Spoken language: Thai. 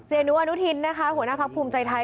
หนูอนุทินนะคะหัวหน้าพักภูมิใจไทย